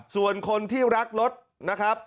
ส่วนคนที่รักรถนะครับ